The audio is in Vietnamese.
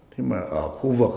thế mà ở khu vực